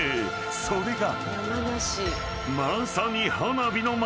［それが］